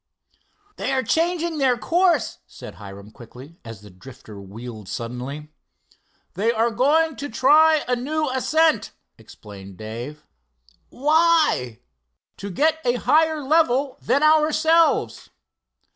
"They are changing their course!" said Hiram quickly, as the Drifter wheeled suddenly. "They are going to try a new ascent," explained Dave. "Why?" "To get to a higher level than ourselves."